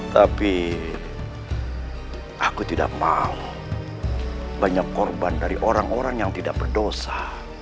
tapi aku tidak mau banyak korban dari orang orang yang tidak berdosa